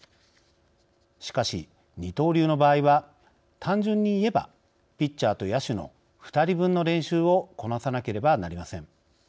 しかし二刀流の場合は単純にいえばピッチャーと野手の２人分の練習をこなさなければなりません。